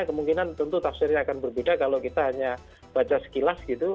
kemungkinan tentu tafsirnya akan berbeda kalau kita hanya baca sekilas gitu